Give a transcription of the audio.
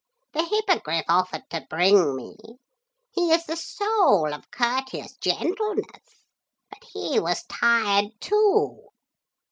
The Hippogriff offered to bring me; he is the soul of courteous gentleness. But he was tired too.